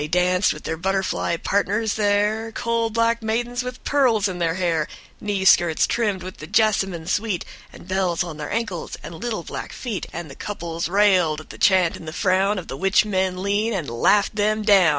# And they pranced with their butterfly partners there, Coal black maidens with pearls in their hair, Knee skirts trimmed with the jassamine sweet, And bells on their ankles and little black feet. And the couples railed at the chant and the frown Of the witch men lean, and laughed them down.